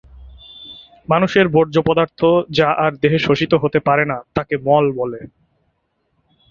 মানুষের বর্জ্য পদার্থ যা আর দেহে শোষিত হতে পারে না তাকে মল বলে।